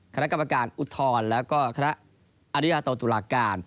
คณะกรรมการอุทธรณ์แล้วก็คณะอริยาโตตุลาการ